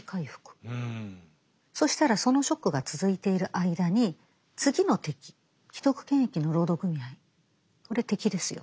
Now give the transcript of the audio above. そしたらそのショックが続いている間に次の敵既得権益の労働組合これ敵ですよと。